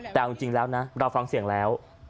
แต่เอาจริงแล้วนะเราฟังเสียงแล้ว